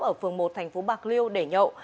ở phường một thành phố bạc liêu để nhậu